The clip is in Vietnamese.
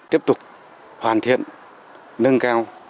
tiếp tục hoàn thiện nâng cao